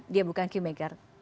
dia bukan kingmaker